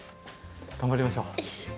頑張りましょう。